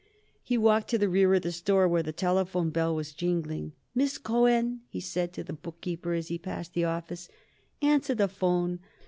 He walked to the rear of the store, where the telephone bell was jingling. "Miss Cohen," he said to the bookkeeper as he passed the office, "answer the 'phone.